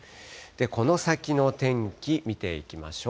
この先の天気、見ていきましょう。